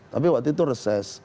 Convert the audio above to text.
tapi waktu itu reses